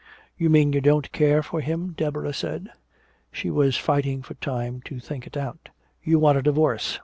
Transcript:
"You mean you don't care for him," Deborah said. She was fighting for time to think it out. "You want a divorce.